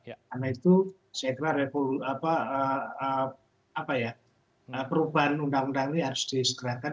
karena itu saya kira perubahan undang undang ini harus disegerakan